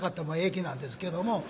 駅なんですけども。